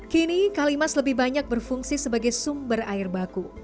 kini kalimas lebih banyak berfungsi sebagai sumber air baku